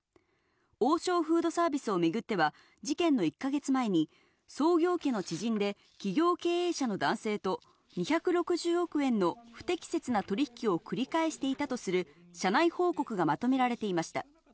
王将フードサービスをめぐっては、事件の１か月前に創業家の知人で、企業経営者の男性と２６０億円の不適切な取り引きを繰り返していたとする社内報告がまとめられていました。